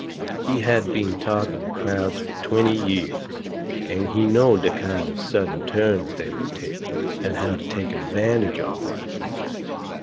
He had been talking to crowds fur twenty years, and he knowed the kind of sudden turns they will take, and how to take advantage of 'em.